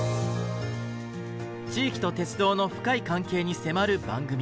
地域と鉄道の深い関係に迫る番組。